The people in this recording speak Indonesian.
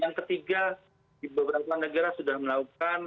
yang ketiga di beberapa negara sudah melakukan